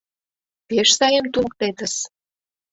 Пеш сайым туныктетыс...